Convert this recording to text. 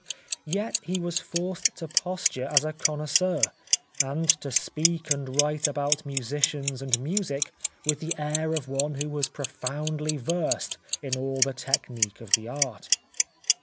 Yet he was forced to posture as a connoisseur, and to speak and write about musicians and music with the air of one who was profoundly versed in all the technique of the art.